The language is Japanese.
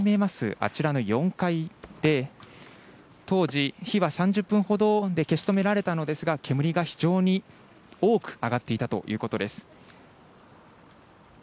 あちらの４階で、当時、火は３０分ほどで消し止められたのですが、煙が非常に多く上がっていたということです。